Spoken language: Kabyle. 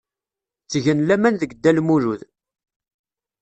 Ttgen laman deg Dda Lmulud.